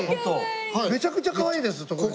めちゃくちゃかわいいです徳光さん。